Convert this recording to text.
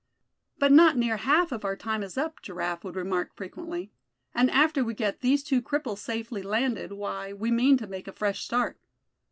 "But not near half of our time is up," Giraffe would remark frequently; "and after we get these two cripples safely landed, why, we mean to make a fresh start.